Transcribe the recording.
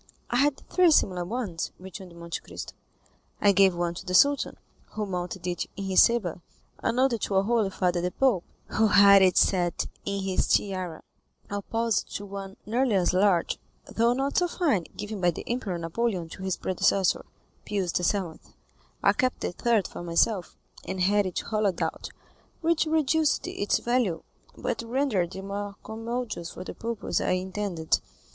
"I had three similar ones," returned Monte Cristo. "I gave one to the Sultan, who mounted it in his sabre; another to our holy father the Pope, who had it set in his tiara, opposite to one nearly as large, though not so fine, given by the Emperor Napoleon to his predecessor, Pius VII. I kept the third for myself, and I had it hollowed out, which reduced its value, but rendered it more commodious for the purpose I intended."